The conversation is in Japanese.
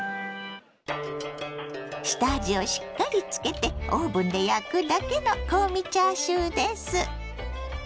下味をしっかりつけてオーブンで焼くだけの香味チャーシューです。